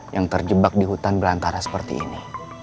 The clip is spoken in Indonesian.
yang terjebak di hutan berantara seperti ini